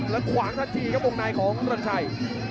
แล้วขวางทันทีครับวงในของรังชัย